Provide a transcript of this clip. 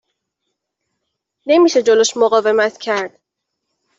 نمی شه جلوش مقاومت کرد